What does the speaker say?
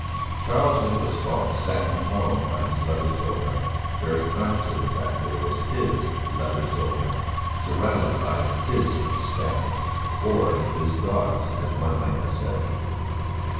Charles Nicholas Falk sat enthroned on his leather sofa, very conscious of the fact that it was his leather sofa, surrounded by his staff; or his dogs, as one might have said.